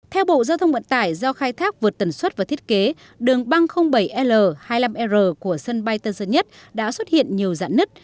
theo bộ giao thông vận tải do khai thác vượt tần suất và thiết kế đường băng bảy l hai mươi năm r của sân bay tân sơn nhất đã xuất hiện nhiều dạng nứt